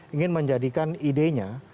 ingin menjadikan idenya